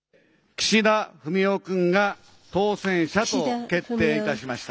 岸田文雄君が当選者と決定いたしました。